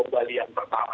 bali yang pertama